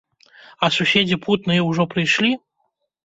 А суседзі путныя ўжо прыйшлі?